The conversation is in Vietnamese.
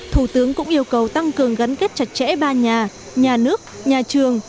thủ tướng cũng yêu cầu tăng cường gắn kết chặt chẽ ba nhà nhà nước nhà trường